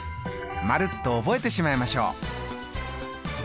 丸っと覚えてしまいましょう。